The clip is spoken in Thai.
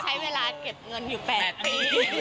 ใช้เวลาเก็บเงินอยู่๘ปี